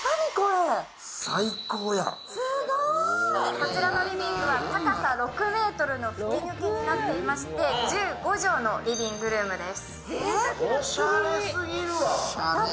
こちらのリビングは高さ６ｍの吹き抜けになっていまして１５畳のリビングルームです。